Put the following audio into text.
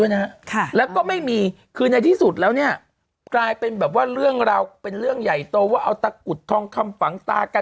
วันนี้ทุกคนเอาไปพูดขอเน้นย้ำ